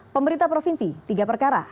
pemerintah provinsi tiga perkara